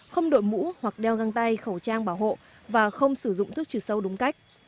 không đội mũ hoặc đeo găng tay khẩu trang bảo hộ và không sử dụng thuốc trừ sâu đúng cách